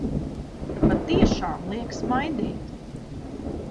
Patiešām, liek smaidīt!